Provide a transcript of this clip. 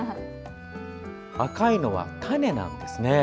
赤いのは種なんですね。